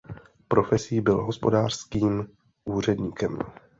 Profesí byl hospodářským úředníkem.